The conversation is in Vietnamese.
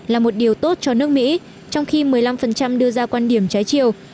là một điều tốt cho nước mỹ trong khi một mươi năm đưa ra quan điểm trái chiều